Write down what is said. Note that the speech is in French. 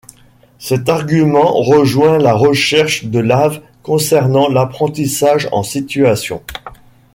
Cet argument rejoint la recherche de Lave concernant l'apprentissage en situation.